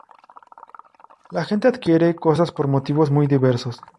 La gente adquiere cosas por motivos muy diversos.